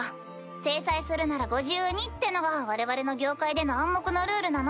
制裁するならご自由にってのが我々の業界での暗黙のルールなの。